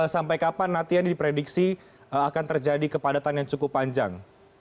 sampai kapan nanti ini diprediksi akan terjadi kepadatan yang cukup panjang